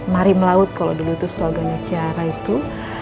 mari melaut kalau dulu itu slogannya kiara itu